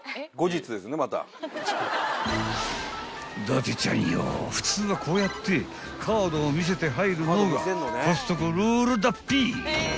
［伊達ちゃんよ普通はこうやってカードを見せて入るのがコストコルールだっぺ］